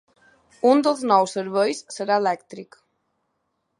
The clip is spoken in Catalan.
Un dels nous serveis serà elèctric.